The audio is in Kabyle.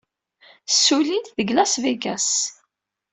Ssullint deg Las Vegas.